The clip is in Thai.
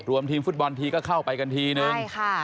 ทีมฟุตบอลทีก็เข้าไปกันทีนึง